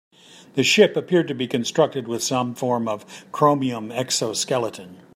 The ship appeared to be constructed with some form of chromium exoskeleton.